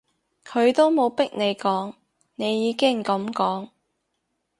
佢都冇逼你講，你已經噉講